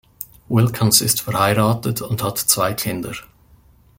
Wilkens ist verheiratet und hat zwei Kinder.